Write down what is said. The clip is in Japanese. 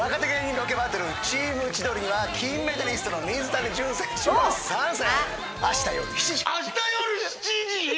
さらに若手芸人ロケバトル、チーム千鳥には、金メダリストの水谷隼選手も参戦。